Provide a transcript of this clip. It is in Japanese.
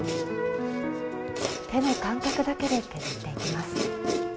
手の感覚だけで削っていきます。